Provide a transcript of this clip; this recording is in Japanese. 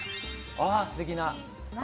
ああすてきな。